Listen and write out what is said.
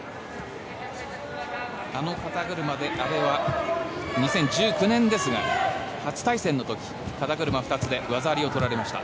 あの肩車で阿部は２０１９年ですが初対戦の時、肩車２つで技ありを取られました。